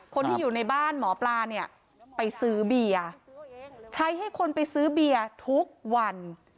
คนที่อยู่ในบ้านหมอปลาเนี่ยไปซื้อเบียร์ใช้ให้คนไปซื้อเบียร์ทุกวัน